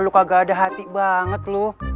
lu kagak ada hati banget lu